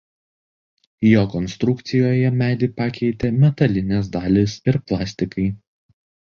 Jo konstrukcijoje medį pakeitė metalinės dalys ir plastikai.